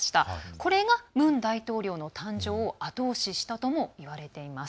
これがムン大統領の誕生を後押ししたともいわれています。